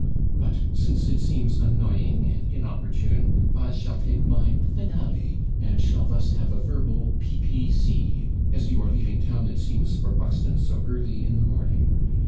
But, since it seems annoying and inopportune, I shall take my FINALE, and shall thus have a verbal P.P.C. as you are leaving town, it seems, for Buxton so early in the morning.